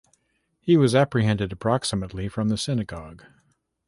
He was apprehended approximately from the synagogue.